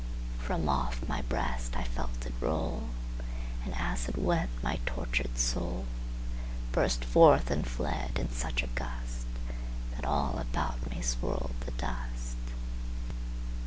From off my breast I felt it roll, And as it went my tortured soulBurst forth and fled in such a gustThat all about me swirled the dust.